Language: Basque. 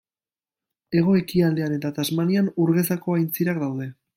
Hego-ekialdean eta Tasmanian ur gezako aintzirak daude.